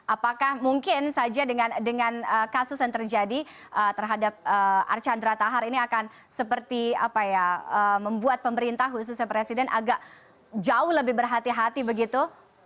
apakah mungkin saja dengan kasus yang terjadi terhadap archandra tahar ini akan seperti apa ya membuat pemerintah khususnya presiden agak jauh lebih berhati hati begitu